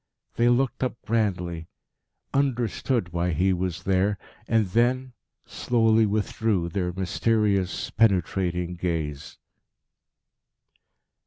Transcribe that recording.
They looked up grandly, understood why he was there, and then slowly withdrew their mysterious, penetrating gaze.